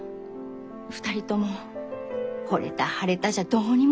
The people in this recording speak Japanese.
２人ともほれた腫れたじゃどうにもならないんだよ。